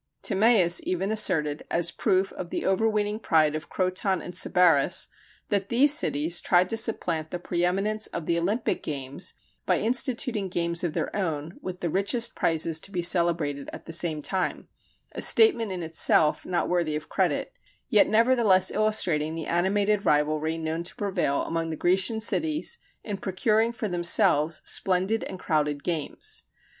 Timæus even asserted, as a proof of the overweening pride of Croton and Sybaris, that these cities tried to supplant the preëminence of the Olympic games by instituting games of their own with the richest prizes to be celebrated at the same time a statement in itself not worthy of credit, yet nevertheless illustrating the animated rivalry known to prevail among the Grecian cities in procuring for themselves splendid and crowded games.